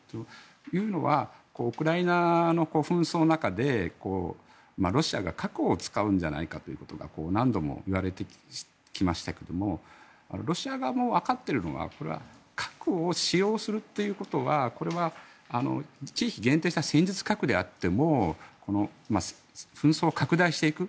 というのはウクライナの紛争の中でロシアが核を使うんじゃないかということが何度も言われてきましたけどもロシア側もわかっているのは核を使用するということはこれは地域に限定した戦術核であっても紛争を拡大していく。